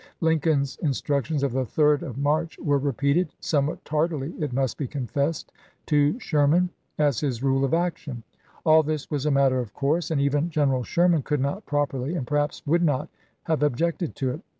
Lincoln's instructions of the 3d of March were repeated — somewhat tardily, it must be confessed — to Sherman as his rule of action. All this was a matter of course, and even General Sherman could not properly, and perhaps would not, have objected to it.